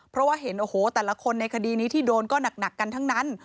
เพราะว่าเห็นโอ้โหแต่ละคนในคดีนี้ที่โดนก็หนักกันทั้งนั้น